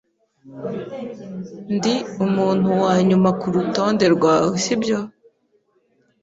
Ndi umuntu wa nyuma kurutonde rwawe, sibyo?